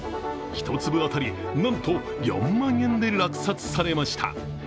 １粒あたりなんと４万円で落札されました。